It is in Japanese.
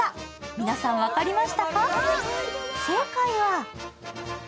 皆さん分かりましたか？